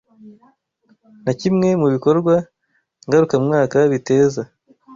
nka kimwe mu bikorwa ngarukamwaka biteza